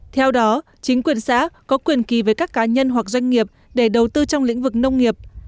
theo đó chính quyền xã có quyền kỳ với các cá nhân hoặc doanh nghiệp để đầu tư trong lĩnh vực nông nghiệp